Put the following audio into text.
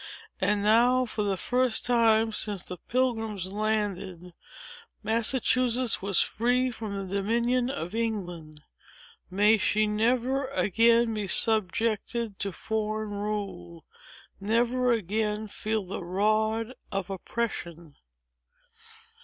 And now, for the first time since the pilgrims landed, Massachusetts was free from the dominion of England. May she never again be subjected to foreign rule—never again feel the rod of oppression!"